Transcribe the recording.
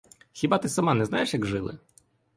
Хіба ти сама не знаєш, як жили?